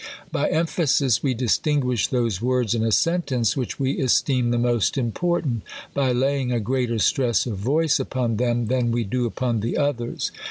By em phasis, we distinguish those words in a sentence which we esteem the most imp<'rtant, by laying a greater stress of voice upon then? than we do upon the others.